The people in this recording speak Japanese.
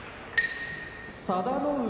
佐田の海